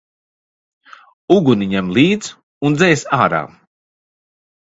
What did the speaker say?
Uguni ņem līdz un dzēs ārā!